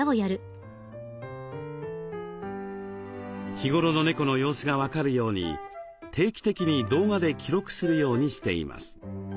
日頃の猫の様子が分かるように定期的に動画で記録するようにしています。